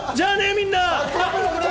みんな！